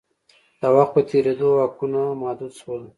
د وخت په تېرېدو واکونه محدود شول.